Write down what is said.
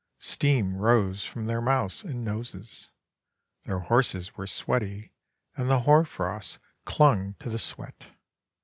Steam rose from their mouths and noses. Their horses were sweaty, and the hoarfrost clung to the sweat.